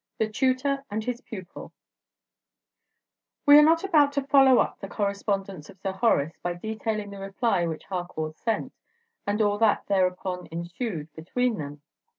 THE TUTOR AND HIS PUPIL We are not about to follow up the correspondence of Sir Horace by detailing the reply which Harcourt sent, and all that thereupon ensued between them.